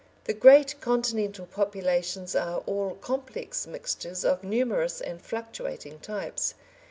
The great continental populations are all complex mixtures of numerous and fluctuating types.